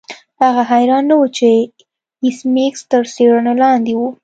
هغه حیران نه و چې ایس میکس تر څیړنې لاندې و